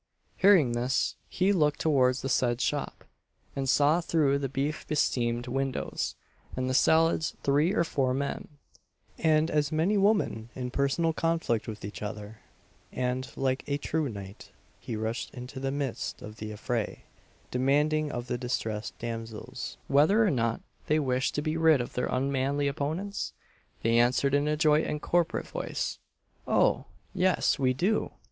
Hearing this, he looked towards the said shop, and saw through the beef besteamed windows and the salads three or four men, and as many women, in personal conflict with each other; and, like a true knight, he rushed into the midst of the affray, demanding of the distressed damsels whether or not they wished to be rid of their unmanly opponents? They answered in a joint and corporate voice "Oh! yes, we do!"